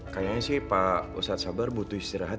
kayaknya sih pak ustadz sabar butuh istirahat